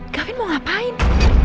gafin mau ngapain